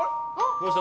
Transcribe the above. どうした？